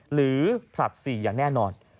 หรือผลักษีอย่างแน่นอน